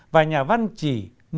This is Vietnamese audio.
và nhà văn có trách nhiệm